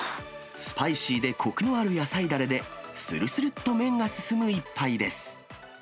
スパイシーでこくのある野菜だれで、するするっと麺が進む一杯です。